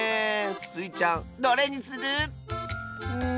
スイちゃんどれにする？